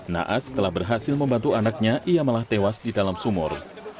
naas setelah berhasil membantu anaknya ia malah tewas di dalam sumur